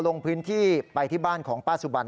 ลงพื้นที่ไปที่บ้านของป้าสุบัน